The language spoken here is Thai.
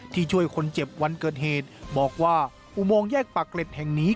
ช่วยคนเจ็บวันเกิดเหตุบอกว่าอุโมงแยกปากเกร็ดแห่งนี้